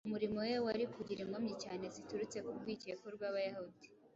umurimo we wari kugira inkomyi cyane ziturutse ku rwikekwe rw’Abayahudi.